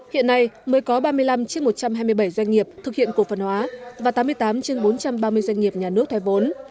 hiện nay mới có ba mươi năm trên một trăm hai mươi bảy doanh nghiệp thực hiện cổ phần hóa và tám mươi tám trên bốn trăm ba mươi doanh nghiệp nhà nước thoái vốn